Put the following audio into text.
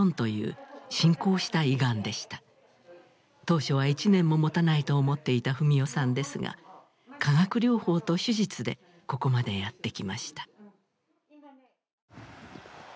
当初は１年ももたないと思っていた史世さんですが化学療法と手術でここまでやってきました。